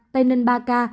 tây ninh ba ca